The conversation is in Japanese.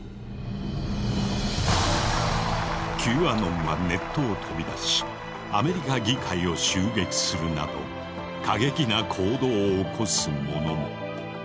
Ｑアノンはネットを飛び出しアメリカ議会を襲撃するなど過激な行動を起こす者も。